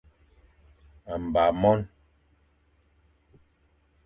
Mba mon.